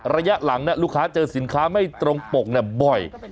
ระยะหลังลูกค้าเจอสินค้าไม่ตรงปกบ่อย